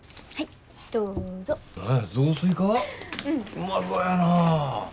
うまそやな。